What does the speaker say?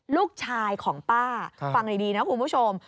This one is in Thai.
ลูกชายของป้าฟังดีนะคุณผู้ชม